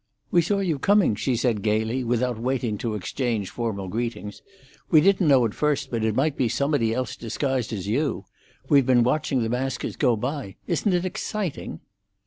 "We saw you coming," she said gaily, without waiting to exchange formal greetings. "We didn't know at first but it might be somebody else disguised as you. We've been watching the maskers go by. Isn't it exciting?"